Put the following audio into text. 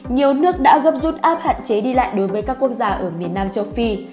nhiều nước đã gấp rút áp hạn chế đi lại đối với các quốc gia ở miền nam châu phi